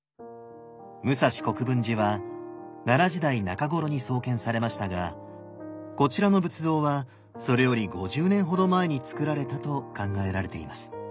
武蔵国分寺は奈良時代中頃に創建されましたがこちらの仏像はそれより５０年ほど前につくられたと考えられています。